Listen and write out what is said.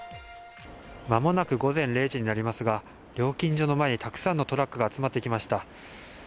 間もなく午前０時になりますが、料金所の前にたくさんのトラックが集まってきました。